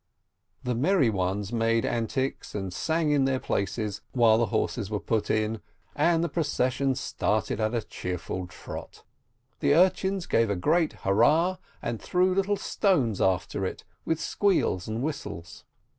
The merry ones made antics, and sang in their places, while the horses were put in, and the procession started at a cheerful trot. The urchins gave a great hurrah, and threw little stones after it, with squeals and whistles.